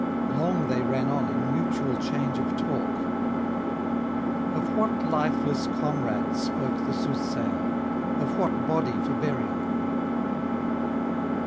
Long they ran on in mutual change of talk; of what lifeless comrade spoke the soothsayer, of what body for burial?